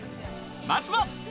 まずは。